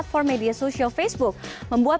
terima kasih meuvet